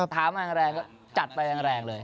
ถามแรงก็จัดไปแรงเลย